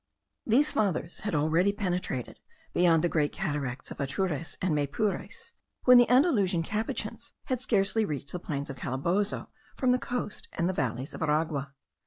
These fathers had already penetrated beyond the great cataracts of Atures and Maypures, when the Andalusian Capuchins had scarcely reached the plains of Calabozo, from the coast and the valleys of Aragua.